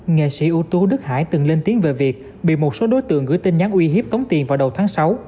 nghệ sĩ ưu tú đức hải từng lên tiếng về việc bị một số đối tượng gửi tin nhắn uy hiếp tống tiền vào đầu tháng sáu